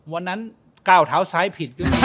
วันนั้นก้าวเท้าซ้ายผิด